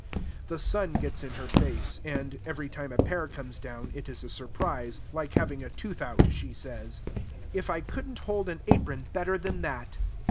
The sun gets in her face; and, every time a pear comes down it is a surprise, like having a tooth out, she says. "If I could n't hold an apron better than that!"